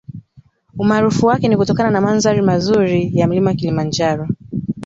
Umaarufu wake ni kutokana na mandhari mazuri ya mlima Kilimanjaro